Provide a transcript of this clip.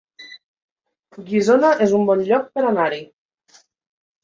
Guissona es un bon lloc per anar-hi